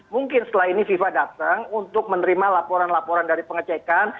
mungkin setelah ini fifa datang untuk menerima laporan laporan dari pengecekan